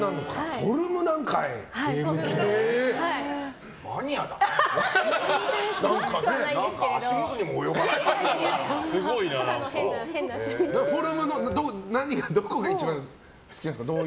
フォルムのどこが一番好きなんですか？